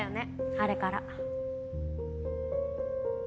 あれから。